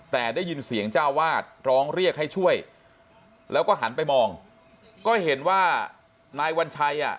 แต่ได้ยินเสียงเจ้าวาดร้องเรียกให้ช่วยแล้วก็หันไปมองก็เห็นว่านายวัญชัยอ่ะ